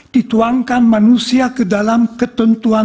dituangkan manusia ke dalam ketentuan